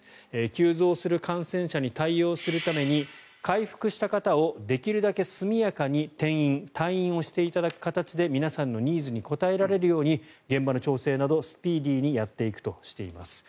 急増する感染者に対応するために回復した方をできるだけ速やかに転院・退院をしていただく形で皆さんのニーズに応えられるように現場の調整などスピーディーにやっていくとしています。